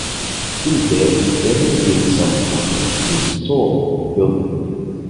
Since then there have been some attempts to restore the building.